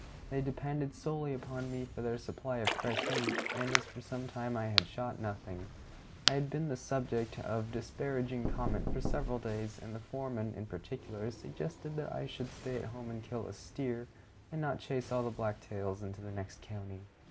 They depended solely upon me for their supply of fresh meat; and as for some time I had shot nothing, I had been the subject of disparaging comment for several days, and the foreman, in particular, suggested that I should stay at home and kill a steer, and not chase all the black tails into the next county.